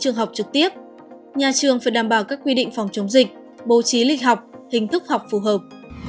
trường học trực tiếp nhà trường phải đảm bảo các quy định phòng chống dịch bố trí lịch học hình thức học phù hợp